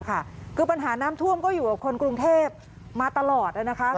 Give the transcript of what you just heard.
ค่ะคือปัญหาน้ำท่วมก็อยู่กับคนกรุงเทพฯมาตลอดแล้วนะคะ